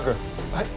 はい！